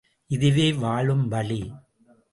இதுவே வாழும் வழி!